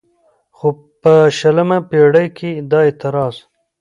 خو په شلمه پېړۍ کې دا اعتراض